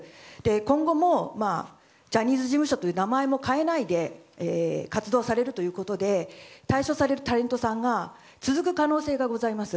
今後もジャニーズ事務所という名前も変えないで活動されるということで退所されるタレントさんが続く可能性がございます。